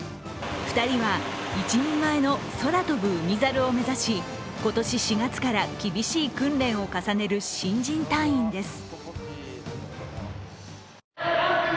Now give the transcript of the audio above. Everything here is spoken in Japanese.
２人は一人前の空飛ぶ海猿を目指し今年４月から厳しい訓練を重ねる新人隊員です。